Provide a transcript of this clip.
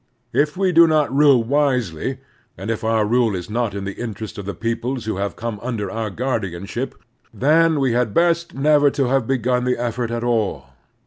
If we do not rule wisely, and if our rule is not in the interest of the peoples who have come under our guardianship, then we had best never to have begun the effort at all.